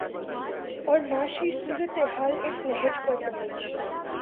اور معاشی صورت حال اس نہج پر پہنچ